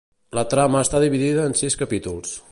La trama està dividida en sis capítols.